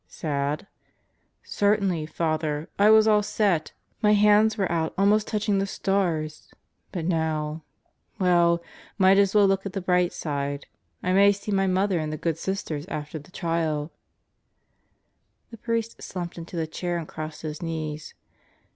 "Sad?" "Certainly, Father. I was all set. My hands were out almost touching the stars. But now ... Well, might as well look at the bright side. I may see my mother and the good Sisters after the trial." The priest slumped into the chair and crossed his knees.